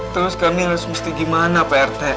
terus kami harus mesti gimana pak rt